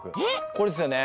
これですよね？